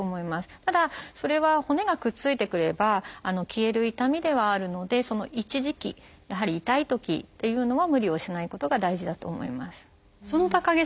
ただそれは骨がくっついてくれば消える痛みではあるのでその一時期やはり痛いときというのは無理をしないことが大事だと思います。